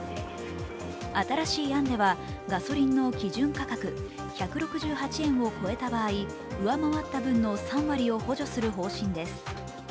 新しい案ではガソリンの基準価格１６８円を超えた場合、上回った分の３割を補助する方針です。